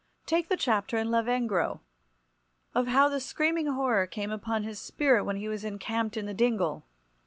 Take the chapter in "Lavengro" of how the screaming horror came upon his spirit when he was encamped in the Dingle.